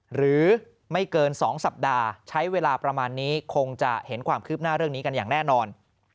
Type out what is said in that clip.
หรือไม่เกิน๒สัปดาห์ใช้เวลาประมาณนี้คงจะเห็นความคืบหน้าเรื่องนี้กันอย่างแน่นอน